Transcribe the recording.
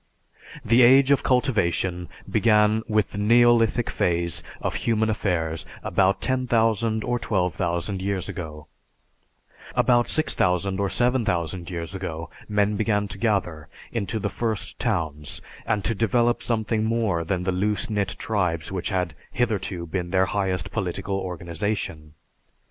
The age of cultivation began with the neolithic phase of human affairs about 10,000 or 12,000 years ago; about 6000 or 7000 years ago men began to gather into the first towns and to develop something more than the loose knit tribes which had hitherto been their highest political organization.